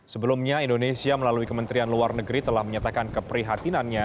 sebelumnya indonesia melalui kementerian luar negeri telah menyatakan keprihatinannya